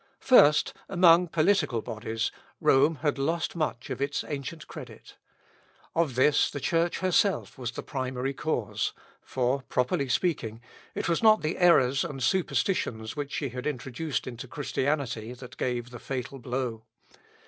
First, among political bodies, Rome had lost much of its ancient credit. Of this the Church herself was the primary cause; for, properly speaking, it was not the errors and superstitions which she had introduced into Christianity that gave the fatal blow.